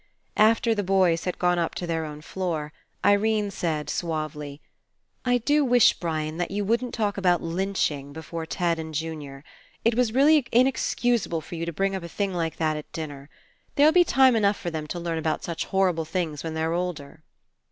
After the boys had gone up to their own floor, Irene said suavely: "I do wish, Brian, that you wouldn't talk about lynching before Ted and Junior. It was really inexcusable for you to bring up a thing like that at dinner. There'll be time enough for them to learn about such horrible things when they're older."